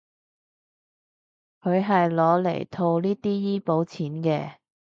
佢係攞嚟套呢啲醫保錢嘅